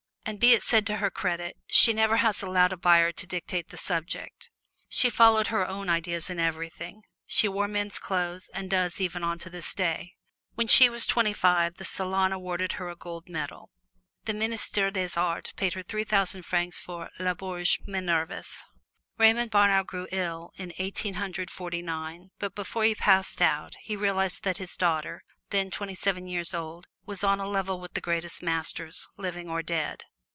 And be it said to her credit, she never has allowed a buyer to dictate the subject. She followed her own ideas in everything; she wore men's clothes, and does even unto this day. When she was twenty five, the Salon awarded her a gold medal. The Ministere des Beaux Arts paid her three thousand francs for her "Labourge Nivernais." Raymond Bonheur grew ill in Eighteen Hundred Forty nine, but before he passed out he realized that his daughter, then twenty seven years old, was on a level with the greatest masters, living or dead.